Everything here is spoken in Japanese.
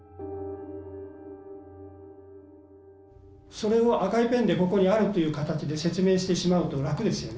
それを赤いペンでここにあるという形で説明してしまうと楽ですよね。